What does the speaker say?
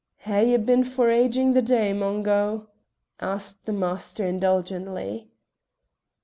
"Hae ye been foraging the day, Mungo?" asked the master indulgently.